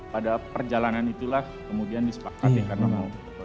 pada perjalanan itulah kemudian disepakati karena om kut mengantuk